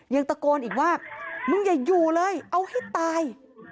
ยังตะโกนอีกว่ามึงอย่าอยู่เลยเอาให้ตาย